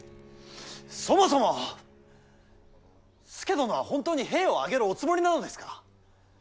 そもそも佐殿は本当に兵を挙げるおつもりなのですか。